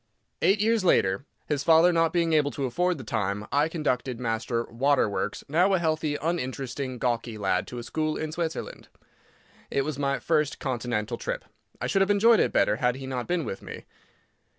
Eight years later, his father not being able to afford the time, I conducted Master "Waterworks," now a healthy, uninteresting, gawky lad, to a school in Switzerland. It was my first Continental trip. I should have enjoyed it better had he not been with me.